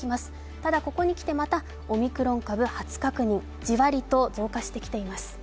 ただ、ここにきて、またオミクロン株初確認、じわりと増加してきております。